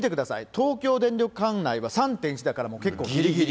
東京電力管内は３．１だから、結構ぎりぎり。